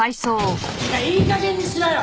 てかいい加減にしろよ！